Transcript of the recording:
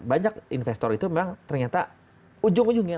banyak investor itu memang ternyata ujung ujungnya